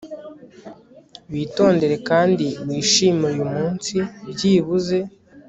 Witondere kandi wishimire uyu munsi byibuze